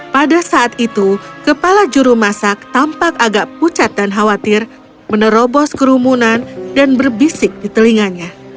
pada saat itu kepala juru masak tampak agak pucat dan khawatir menerobos kerumunan dan berbisik di telinganya